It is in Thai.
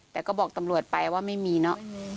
แต่ก็บอกตำรวจไปว่าไม่มีเนอะ